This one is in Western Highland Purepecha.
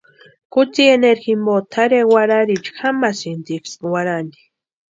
Kutsi eneru jimpo tʼarhe warharhiicha jamasïntiksï warhani.